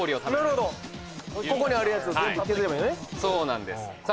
・なるほどここにあるやつを全部削ればねそうなんですさあ